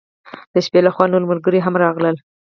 د شپې له خوا نور ملګري هم راغلل.